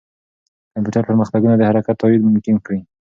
کمپیوټر پرمختګونه د حرکت تایید ممکن کړي.